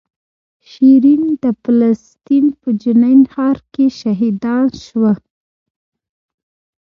شیرین د فلسطین په جنین ښار کې شهیدان شوه.